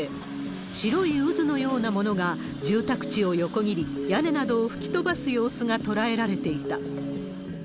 白い渦のようなものが住宅地を横切り、屋根などを吹き飛ばす様子が捉えられていた。